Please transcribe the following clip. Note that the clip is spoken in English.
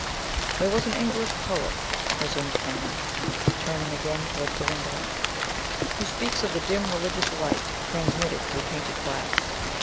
"There was an English poet," resumed Kenyon, turning again towards the window, "who speaks of the 'dim, religious light,' transmitted through painted glass.